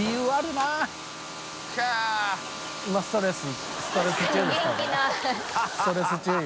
ストレス中今。